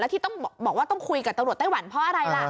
ที่ต้องบอกว่าต้องคุยกับตำรวจไต้หวันเพราะอะไรล่ะ